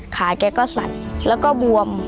แกก็สัดแล้วก็บวม